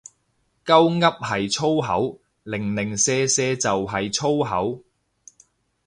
鳩噏係粗口，零零舍舍就係粗口